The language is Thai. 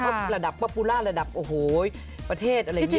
เพราะระดับป้าภูล่าระดับโอ้โหประเทศอะไรอย่างนี้